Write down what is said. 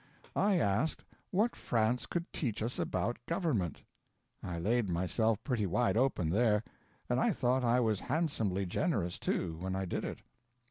I asked what France could teach us about government. I laid myself pretty wide open, there; and I thought I was handsomely generous, too, when I did it.